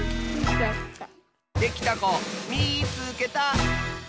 できたこみいつけた！